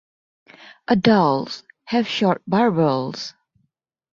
Adults have short barbels.